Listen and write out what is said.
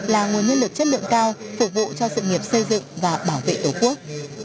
là nguồn nhân lực chất lượng cao phục vụ cho sự nghiệp xây dựng và bảo vệ tổ quốc